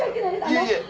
いえいえ。